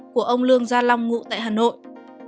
của ông lương gia long ngụ tại hà nội